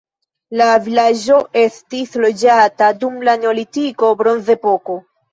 La vilaĝo estis loĝata dum la neolitiko bronzepoko.